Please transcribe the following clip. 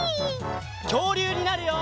きょうりゅうになるよ！